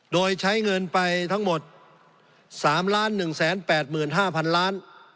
โดยใช้เงินไปทั้งหมดสามล้านหนึ่งแสนแปดหมื่นห้าพันล้าน